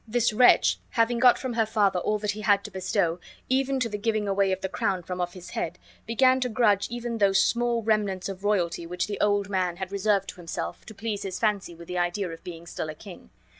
This wretch, having got from her father all that he had to bestow, even to the giving away of the crown from off his head, began to grudge even those small remnants of royalty which the old man had reserved to himself, to please his fancy with the idea of being still a king.